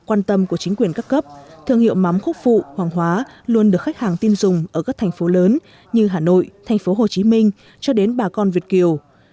quan tâm của chính quyền các cấp thương hiệu mắm quốc phụ hoàng hóa luôn được khách hàng tin dùng ở các thành phố lớn như hà nội thành phố hồ chí minh cho đến bà con việt kiều